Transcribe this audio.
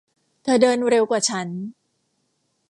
เธอเดินเร็วกว่าฉัน